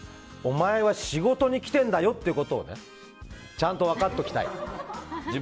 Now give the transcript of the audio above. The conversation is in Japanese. お前は仕事に来てるんだよってことをちゃんと分かっておきたい。